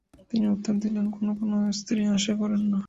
আমি উত্তর দিয়েছিলাম, 'কোনো কোনো স্ত্রী আশা করেন না।'